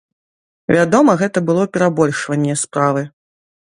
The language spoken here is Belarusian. Вядома, гэта было перабольшванне справы.